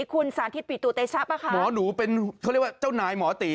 คุณสาธิตปิตุเตชะป่ะคะหมอหนูเป็นเขาเรียกว่าเจ้านายหมอตี